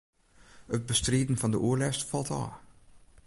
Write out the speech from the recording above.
It bestriden fan de oerlêst falt ôf.